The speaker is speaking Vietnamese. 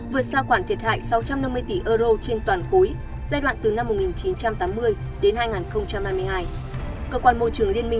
vượt xa quản thiệt hại sáu trăm năm mươi tỷ euro trên toàn khối giai đoạn từ năm một nghìn chín trăm tám mươi đến hai nghìn hai mươi hai